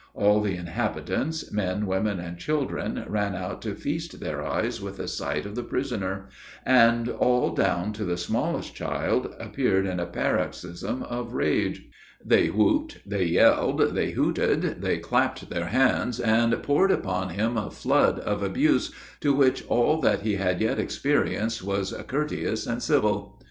All the inhabitants, men, women, and children, ran out to feast their eyes with a sight of the prisoner; and all, down to the smallest child, appeared in a paroxysm of rage. They whooped, they yelled, they hooted, they clapped their hands, and poured upon him a flood of abuse, to which all that he had yet experienced was courteous and civil.